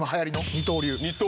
二刀流！